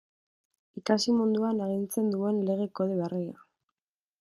Ikasi munduan agintzen duen Lege Kode berria.